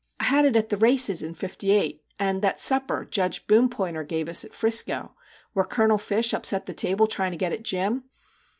' I had it at the races in '58, and that supper Judge Boompointer gave us at Frisco where Colonel Fish upset the table trying to get at Jim.